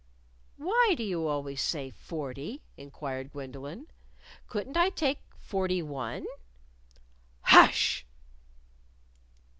"Why do you always say forty?" inquired Gwendolyn. "Couldn't I take forty one?" "_Hush!